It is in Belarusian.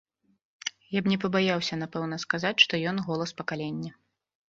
Я б не пабаяўся, напэўна, сказаць, што ён голас пакалення.